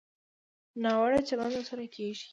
ناوړه چلند ورسره کېږي.